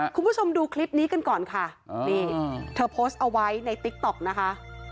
คุณผู้ชมดูคลิปนี้กันก่อนค่ะนี่เธอโพสต์เอาไว้ในติ๊กต๊อกนะคะ